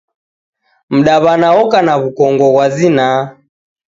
Mdaw'ana oka na w'ukongo ghwa zinaa.